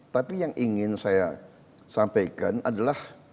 tapi yang ingin saya sampaikan adalah